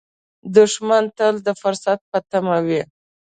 دښمن تل د فرصت په تمه وي